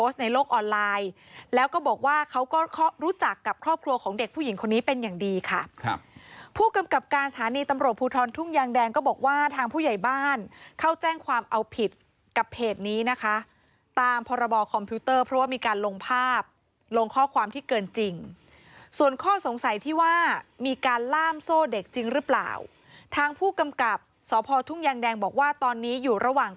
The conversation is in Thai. เด็กผู้หญิงคนนี้เป็นอย่างดีค่ะผู้กำกับการสถานีตำรวจพูทรทุ่งยางแดงก็บอกว่าทางผู้ใหญ่บ้านเขาแจ้งความเอาผิดกับเพจนี้นะคะตามพรบคอมพิวเตอร์เพราะว่ามีการลงภาพลงข้อความที่เกินจริงส่วนข้อสงสัยที่ว่ามีการล่ามโซ่เด็กจริงหรือเปล่าทางผู้กำกับสทุ่งยางแดงบอกว่าตอนนี้อยู่ระหว่าง